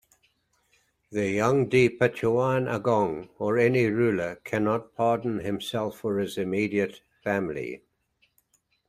The Yang di-Pertuan Agong or any ruler cannot pardon himself or his immediate family.